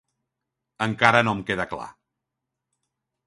Encara no em queda clar.